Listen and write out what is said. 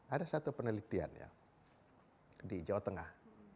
ada satu penelitian ya di jawa tengah